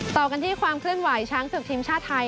ต่อกันที่ความเคลื่อนไหวช้างศึกทีมชาติไทย